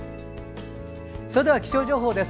それでは気象情報です。